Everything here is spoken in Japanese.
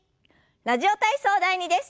「ラジオ体操第２」です。